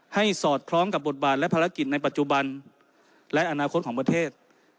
สอดคล้องกับบทบาทและภารกิจในปัจจุบันและอนาคตของประเทศ